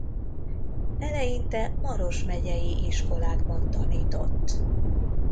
Eleinte Maros megyei iskolákban tanított.